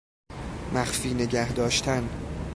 مخفی نگهداشتن